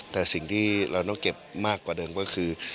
แต่สิ่งที่เราต้องเก็บมากกว่าเดิมก็คือ